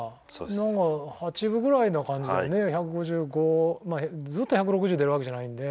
なんか八分ぐらいな感じでね１５５ずっと１６０出るわけじゃないんで。